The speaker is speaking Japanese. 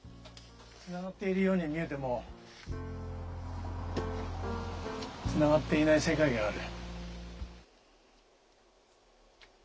つながっているように見えても、つながっていない世界がある。